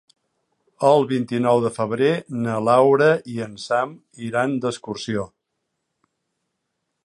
El vint-i-nou de febrer na Laura i en Sam iran d'excursió.